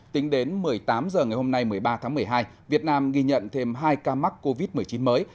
tính đến một mươi tám h ngày hôm nay một mươi ba tháng một mươi hai việt nam ghi nhận thêm hai ca mắc covid một mươi chín mới